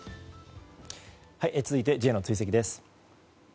続いてＪの追跡です。